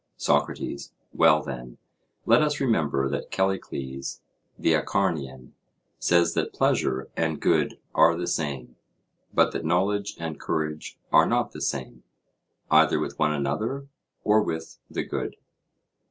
SOCRATES: Well, then, let us remember that Callicles, the Acharnian, says that pleasure and good are the same; but that knowledge and courage are not the same, either with one another, or with the good.